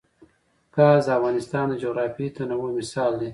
ګاز د افغانستان د جغرافیوي تنوع مثال دی.